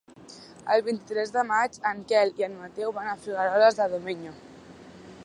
El vint-i-tres de maig en Quel i en Mateu van a Figueroles de Domenyo.